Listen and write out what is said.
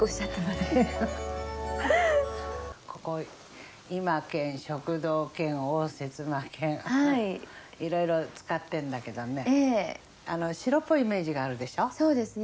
ここ、居間兼食堂兼応接間兼、いろいろ使ってんだけどね、白っぽいイメそうですね。